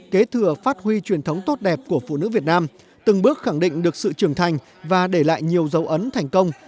kế thừa phát huy truyền thống tốt đẹp của phụ nữ việt nam từng bước khẳng định được sự trưởng thành và để lại nhiều dấu ấn thành công